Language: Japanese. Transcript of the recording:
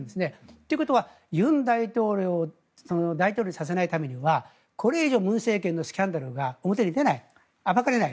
ということはユン大統領にさせないためにはこれ以上文大統領のスキャンダルが表に出ない、暴かれない。